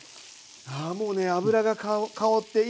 あもうね脂が香っていい香り。